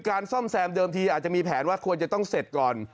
ซ่อมแซมเดิมทีอาจจะมีแผนว่าควรจะต้องเสร็จก่อน